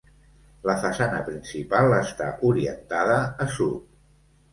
La façana principal està orientada a sud.